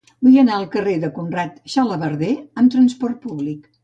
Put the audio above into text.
Vull anar al carrer de Conrad Xalabarder amb trasport públic.